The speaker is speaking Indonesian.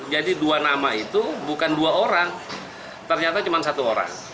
jadi dua nama itu bukan dua orang ternyata cuma satu orang